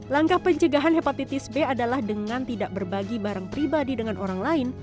langkah pencegahan hepatitis b adalah dengan tidak berbagi barang pribadi dengan orang lain